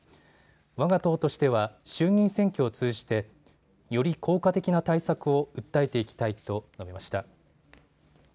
わが党としては衆議院選挙を通じてより効果的な対策を訴えていきたいと述べました。